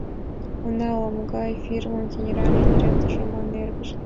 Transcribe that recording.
Уна, ала-могай фирмын генеральный директоржо, мане эргыже.